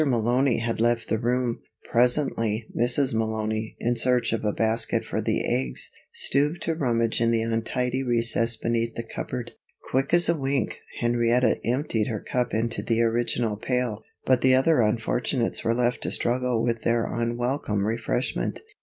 Malony had left the room. Presently, Mrs. Malony, in search of a basket for the eggs, stooped to rummage in the untidy recess beneath the cupboard. Quick as a wink, Henrietta emptied her cup into the original pail, but the other unfortunates were left to struggle with their unwelcome refreshment.